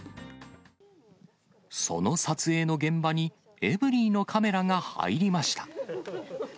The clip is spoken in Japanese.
その撮影の現場に、エブリィのカメラが入りました。